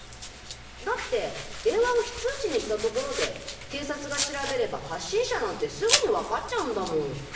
だって電話を非通知にしたところで警察が調べれば発信者なんてすぐにわかっちゃうんだもん。